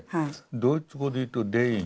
ドイツ語で言うと「デイン」